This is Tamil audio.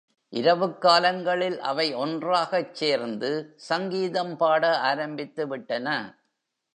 இரவுக் காலங்களில் அவை ஒன்றாகச் சேர்ந்து சங்கீதம் பாட ஆரம்பித்து விட்டன.